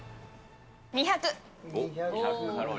２００。